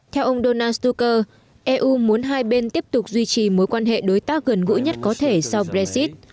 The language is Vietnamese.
theo ông donald stoker eu muốn hai bên tiếp tục duy trì mối quan hệ đối tác gần gũi nhất có thể sau brexit